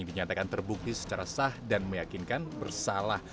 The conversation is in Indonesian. dinyatakan terbukti secara sah dan meyakinkan bersalah